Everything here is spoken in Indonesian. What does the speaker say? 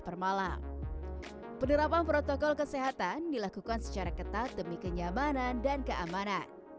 per malam penerapan protokol kesehatan dilakukan secara ketat demi kenyamanan dan keamanan